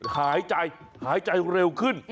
หายใจหายใจเร็วขึ้น